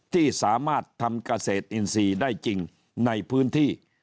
ที่สามารถทำเกษตรอินทรีย์ได้จริงในพื้นที่